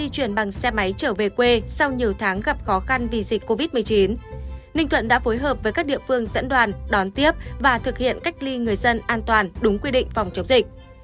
cảm ơn các bạn đã theo dõi